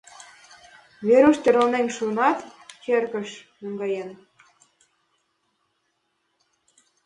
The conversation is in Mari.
Веруш тӧрланен шуынат, черкыш наҥгаен.